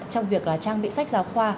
trong việc là trang bị sách giáo khoa